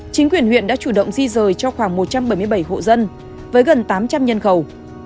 chính quyền huyện đã chủ động di rời cho khoảng một trăm bảy mươi bảy hộ dân với gần tám trăm linh nhân khẩu